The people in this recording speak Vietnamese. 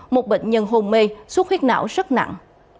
một bệnh nhân hôn mê suốt huyết não rất nặng